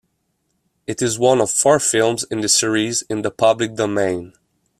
It is one of four films in the series in the public domain.